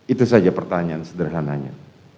itu saja pertanyaan sederhananya